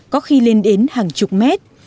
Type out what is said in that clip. có khi lên đến hàng chục mét